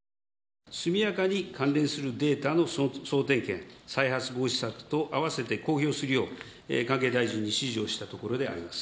速やかに関連するデータの総点検、再発防止策と合わせて公表するよう、関係大臣に指示をしたところであります。